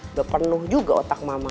udah penuh juga otak mama